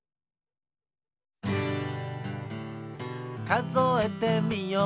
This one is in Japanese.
「かぞえてみよう」